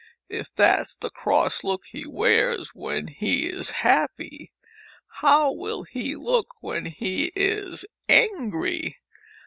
If that's the cross look he wears when he is happy, how will he look when he is angry?